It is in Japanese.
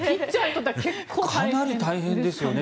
かなり大変ですよね。